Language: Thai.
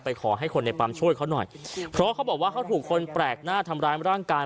ขอให้คนในปั๊มช่วยเขาหน่อยเพราะเขาบอกว่าเขาถูกคนแปลกหน้าทำร้ายร่างกาย